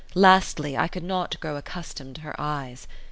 Lastly, I could not grow accustomed to her eyes.